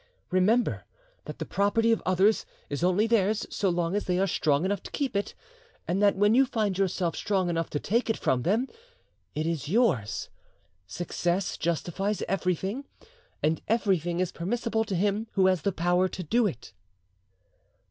Remember that the property of others is only theirs so long as they are strong enough to keep it, and that when you find yourself strong enough to take it from them, it is yours. Success justifies everything, and everything is permissible to him who has the power to do it."